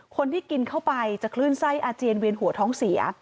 คนที่กินเข้าไปจะคลื่นไส้อาเจียนเวียนหัวท้องเสีย